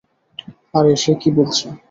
আরে, সে কি বলছে?